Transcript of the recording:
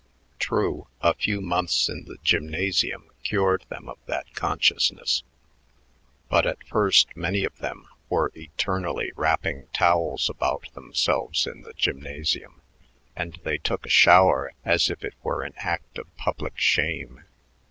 True, a few months in the gymnasium cured them of that consciousness, but at first many of them were eternally wrapping towels about themselves in the gymnasium, and they took a shower as if it were an act of public shame.